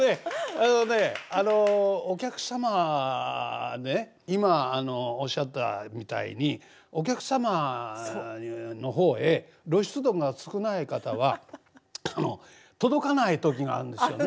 あのねあのお客様ね今おっしゃったみたいにお客様の方へ露出度が少ない方は届かない時があるんですよね。